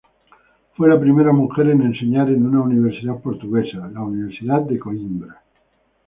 Fue la primera mujer en enseñar en una universidad portuguesa, la universidad de Coímbra.